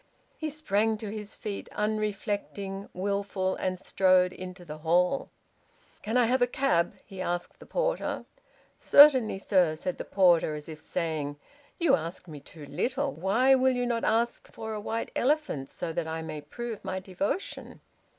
He sprang to his feet, unreflecting, wilful, and strode into the hall. "Can I have a cab?" he asked the porter. "Certainly, sir," said the porter, as if saying, "You ask me too little. Why will you not ask for a white elephant so that I may prove my devotion?"